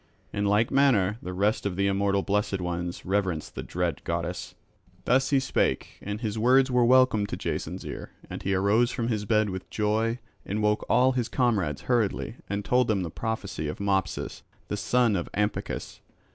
In like manner the rest of the immortal blessed ones reverence the dread goddess." Thus he spake, and his words were welcome to Jason's ear. And he arose from his bed with joy and woke all his comrades hurriedly and told them the prophecy of Mopsus the son of Ampycus.